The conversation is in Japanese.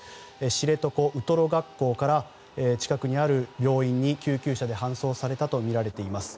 知床ウトロ学校から近くにある病院に救急車で搬送されたとみられています。